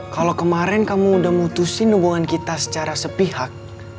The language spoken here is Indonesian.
kalau kemarin kamu udah mutusin hubungan kita secara sepihak